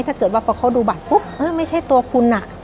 ถ้าเกิดว่าพอเขาดูบัตรปุ๊บเออไม่ใช่ตัวคุณน่ะ